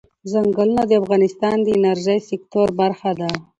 ځنګلونه د افغانستان د انرژۍ سکتور برخه ده.